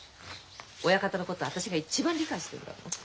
親方のことは私が一番理解してるんだもん。